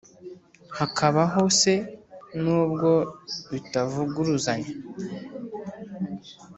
hakabaho se n’ubwo bitavuguruzanya,